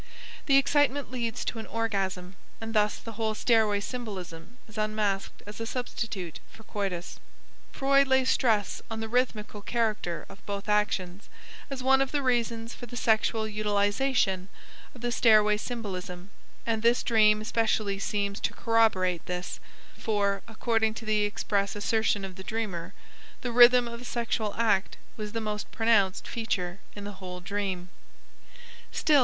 The excitement leads to an orgasm, and thus the whole stairway symbolism is unmasked as a substitute for coitus. Freud lays stress on the rhythmical character of both actions as one of the reasons for the sexual utilization of the stairway symbolism, and this dream especially seems to corroborate this, for, according to the express assertion of the dreamer, the rhythm of a sexual act was the most pronounced feature in the whole dream.